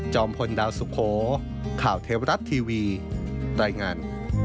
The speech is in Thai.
พลดาวสุโขข่าวเทวรัฐทีวีรายงาน